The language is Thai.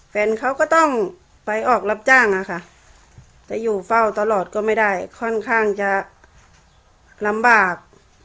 แฟนเขาก็ต้องไปออกรับจ้างอะค่ะจะอยู่เฝ้าตลอดก็ไม่ได้ค่อนข้างจะลำบาก